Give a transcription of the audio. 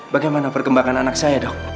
bagaimana perkembangan anak saya dok